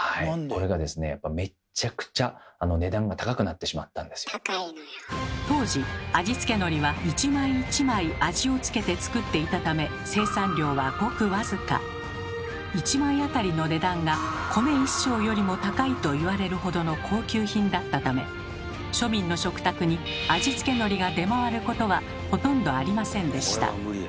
これがですねやっぱ当時味付けのりは一枚一枚味を付けて作っていたため一枚当たりの値段が米一升よりも高いといわれるほどの高級品だったため庶民の食卓に味付けのりが出回ることはほとんどありませんでした。